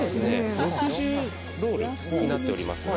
６０カットになっております。